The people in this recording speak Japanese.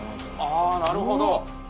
あぁなるほど。